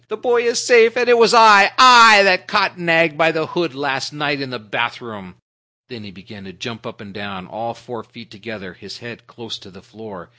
"The boy is safe, and it was I I I that caught Nag by the hood last night in the bathroom." Then he began to jump up and down, all four feet together, his head close to the floor.